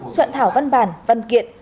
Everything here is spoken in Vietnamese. soạn thảo văn bản văn kiện